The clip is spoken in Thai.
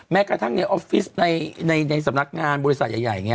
กระทั่งในออฟฟิศในสำนักงานบริษัทใหญ่อย่างนี้